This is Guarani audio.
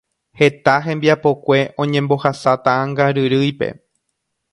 Heta hembiapokue oñembohasa taʼãngaryrýipe.